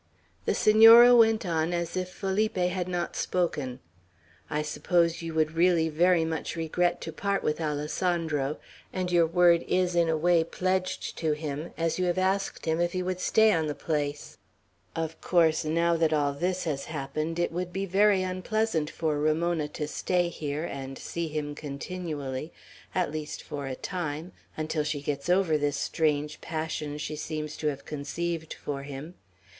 The Senora went on as if Felipe had not spoken. "I suppose you would really very much regret to part with Alessandro, and your word is in a way pledged to him, as you had asked him if he would stay on the place, Of course, now that all this has happened, it would be very unpleasant for Ramona to stay here, and see him continually at least for a time, until she gets over this strange passion she seems to have conceived for him.